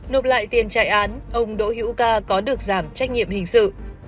nộp lại tiền chạy án ông đỗ hữu ca có được giảm trách nhiệm hình sự